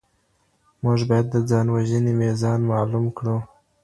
موږ بايد د ځان وژني ميزان معلوم کړو.